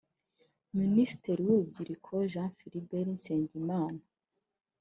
Minisitiri w’Urubyiruko Jean Philbert Nsengimana